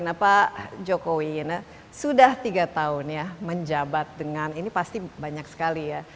kenapa jokowi sudah tiga tahun ya menjabat dengan ini pasti banyak sekali ya